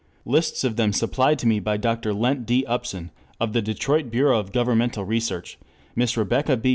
Lists of them supplied to me by Dr. L. D. Upson of the Detroit Bureau of Governmental Research, Miss Rebecca B.